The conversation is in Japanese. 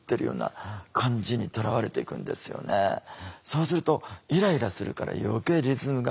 そうするとイライラするから余計リズムが壊れていくんですよ。